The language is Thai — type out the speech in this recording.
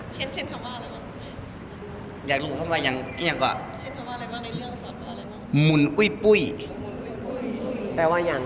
เช่นคำว่าอะไรบ้าง